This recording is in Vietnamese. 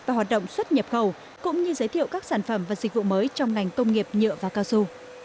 và hoạt động xuất nhập khẩu cũng như giới thiệu các sản phẩm và dịch vụ mới trong ngành công nghiệp nhựa và cao su